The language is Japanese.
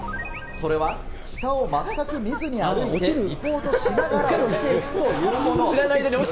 それは、下を全く見ずに歩いて、リポートしながら落ちていくというもの。